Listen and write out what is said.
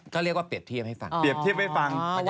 ก็เรียกว่าเปรียบเทียบให้ฟัง